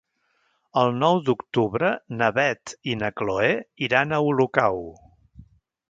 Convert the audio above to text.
El nou d'octubre na Beth i na Chloé iran a Olocau.